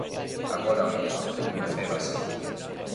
Agora o infortunio cébase.